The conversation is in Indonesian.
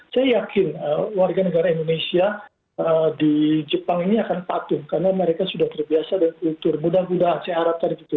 saya yakin warga negara indonesia di jepang ini akan patuh karena mereka sudah terbiasa dengan kultur muda muda asia arab